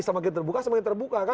semakin terbuka semakin terbuka kan